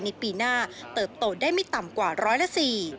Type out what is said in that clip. ในปีหน้าเติบโตได้ไม่ต่ำกว่าร้อยละสี่